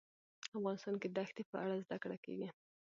افغانستان کې د ښتې په اړه زده کړه کېږي.